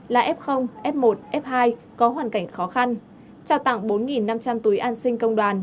là f f một f hai có hoàn cảnh khó khăn trao tặng bốn năm trăm linh túi an sinh công đoàn